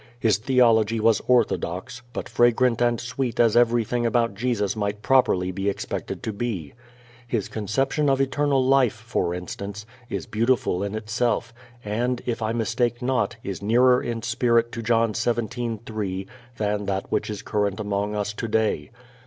His theology was orthodox, but fragrant and sweet as everything about Jesus might properly be expected to be. His conception of eternal life, for instance, is beautiful in itself and, if I mistake not, is nearer in spirit to John 17:3 than that which is current among us today.